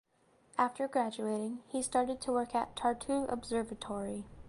After graduating he started to work at Tartu Observatory.